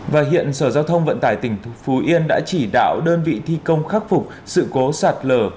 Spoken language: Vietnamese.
và hiện sở giao thông vận tải tỉnh phú yên đã chỉ đạo đơn vị thi công khắc phục sự cố sạt lở